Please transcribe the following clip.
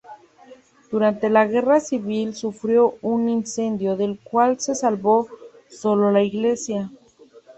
Durante la Guerra Civil sufrió un incendio del cual se salvó solo la iglesia.